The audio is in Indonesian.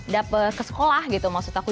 dapet ke sekolah gitu maksud aku